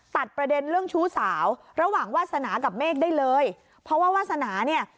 ตัดประเด็นเรื่องชู้สาวระหว่างวาสนากับเมฆได้เลยเพราะว่าวาสนาเนี่ย